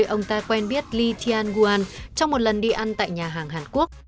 ông ta quen biết lee tian guan trong một lần đi ăn tại nhà hàng hàn quốc